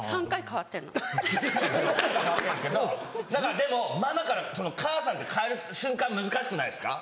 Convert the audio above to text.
変わってるんですけど何かでも「ママ」から「母さん」って変える瞬間難しくないですか？